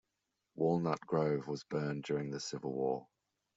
Walnut Grove was burned during the Civil War.